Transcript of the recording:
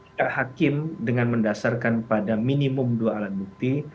tidak hakim dengan mendasarkan pada minimum dua alat bukti